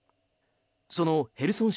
そのヘルソン